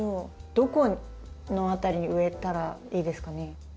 どこの辺りに植えたらいいですかね？